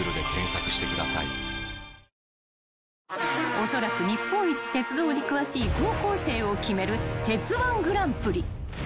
［おそらく日本一鉄道に詳しい高校生を決める鉄−１グランプリ］